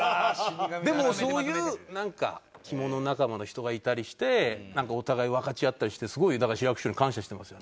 でもそういうなんか着物仲間の人がいたりしてなんかお互い分かち合ったりしてすごいだから志らく師匠に感謝してますよ。